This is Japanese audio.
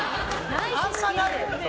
あんまないよ。